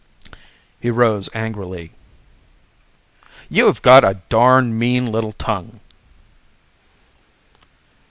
He rose angrily. "You have got a darn mean little tongue."